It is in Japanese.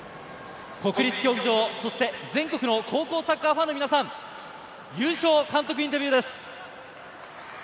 国立競技場、全国の高校サッカーファンの皆さん、優勝監督インタビューです。